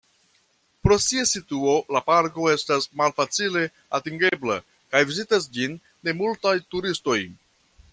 Pro sia situo la parko estas malfacile atingebla kaj vizitas ĝin ne multaj turistoj.